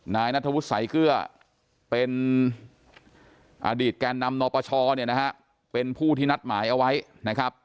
นายนัทธวุฒิสายเกลือเป็นอดีตแก่นำนปชเนี่ยนะฮะเป็นผู้ที่นัดหมายเอาไว้นะครับ